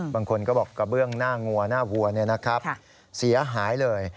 บางคนก็บอกกระเบื้องหน้างัวหน้าวัวเสียหายเลย